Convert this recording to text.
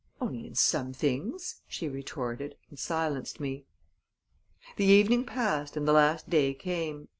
"Only in some things," she retorted, and silenced me. The evening passed and the last day came.